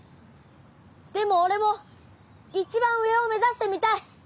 でも俺も一番上を目指してみたい！